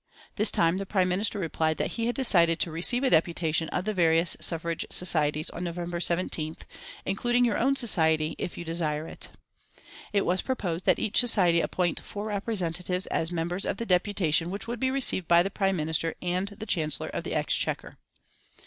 This time the Prime Minister replied that he had decided to receive a deputation of the various suffrage societies on November 17th, "including your own society, if you desire it." It was proposed that each society appoint four representatives as members of the deputation which would be received by the Prime Minister and the Chancellor of the Exchequer.